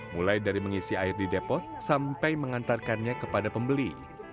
mulai dari mengisi air di depot sampai mengantarkannya kepada pembeli